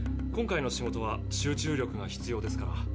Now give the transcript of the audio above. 今回の仕事は集中力が必要ですから。